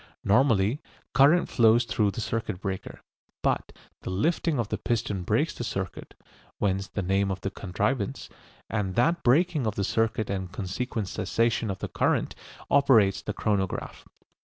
Normally, current flows through the circuit breaker, but the lifting of the piston breaks the circuit (whence the name of the contrivance), and that breaking of the circuit and consequent cessation of the current operates the chronograph.